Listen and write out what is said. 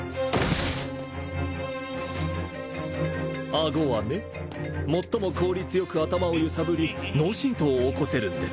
顎はね最も効率よく頭を揺さぶり脳振とうを起こせるんですよ。